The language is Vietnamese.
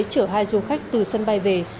chở hai du khách từ sân bay về